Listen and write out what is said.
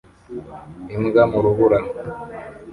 Imbwa mu rubura